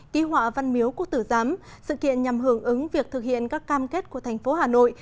ký họa văn miếu quốc tử giám sự kiện nhằm hưởng ứng việc thực hiện các cam kết của thành phố hà nội